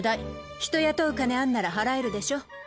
人雇う金あんなら払えるでしょ。